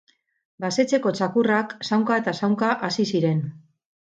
Basetxeko txakurrak zaunka eta zaunka hasi ziren.